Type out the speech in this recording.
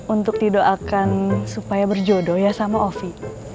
untuk didoakan supaya berjodoh ya sama ovi